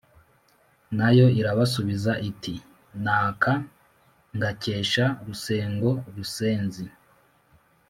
na yo irabasubiza iti: “n’aka ngakesha rusengo rusenzi